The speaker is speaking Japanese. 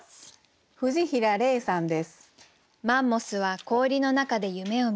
藤平怜さんです。